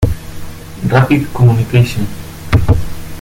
Rapid Communication.